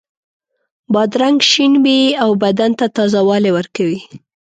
بادرنګ شین وي او بدن ته تازه والی ورکوي.